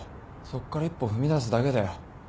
そこから一歩踏み出すだけだよ。